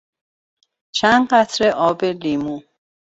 چند قطره آب لیمو